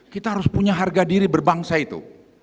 kita harus punya harga diri berbangsa itu